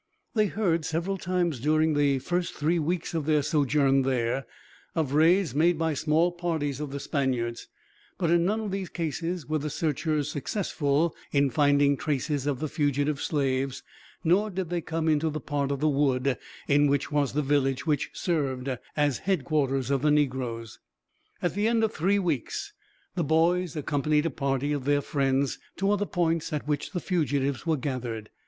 They heard, several times during the first three weeks of their sojourn there, of raids made by small parties of the Spaniards; but in none of these cases were the searchers successful in finding traces of the fugitive slaves, nor did they come into the part of the wood in which was the village which served as headquarters of the negroes. At the end of three weeks, the boys accompanied a party of their friends to other points at which the fugitives were gathered.